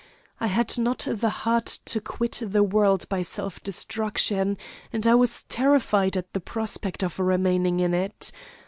I had not the heart to quit the world by self destruction, and I was terrified at the prospect of remaining in it.